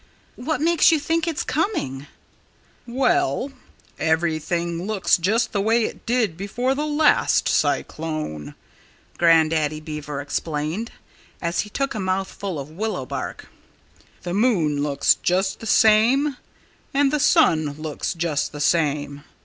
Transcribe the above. "What makes you think it's coming?" "Well everything looks just the way it did before the last cyclone," Grandaddy Beaver explained, as he took a mouthful of willow bark. "The moon looks just the same and the sun looks just the same.